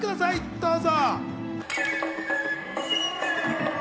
どうぞ！